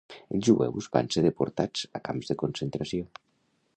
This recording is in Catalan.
Els jueus van ser deportats a camps de concentració.